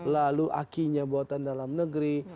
lalu aki nya buatan dalam negeri